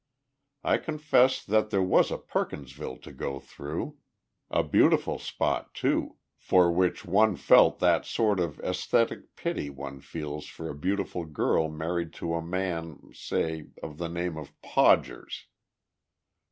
I confess that there was a Perkinsville to go through a beautiful spot, too, for which one felt that sort of aesthetic pity one feels for a beautiful girl married to a man, say, of the name of Podgers.